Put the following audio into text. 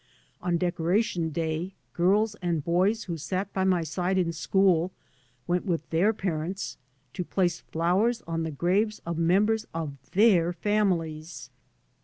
On Decoration Day g^rls and boys who sat by my side in school went with their parents to place flowers on the graves of members of their families.